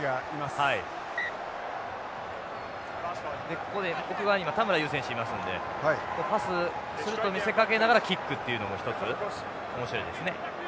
ここで奥側に田村優選手いますのでパスすると見せかけながらキックというのも一つ面白いですね。